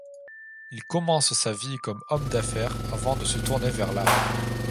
Il commence sa vie comme homme d’affaires avant de se tourner vers l’art.